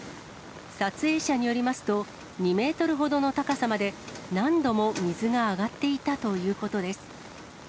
撮影者によりますと、２メートルほどの高さまで、何度も水が上がっていたということです。